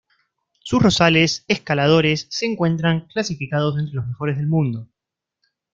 Sus rosales escaladores se encuentran clasificados entre los mejores en el mundo.